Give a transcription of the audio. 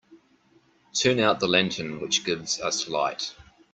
Turn out the lantern which gives us light.